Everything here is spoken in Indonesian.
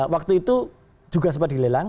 waktu itu juga sempat dilelang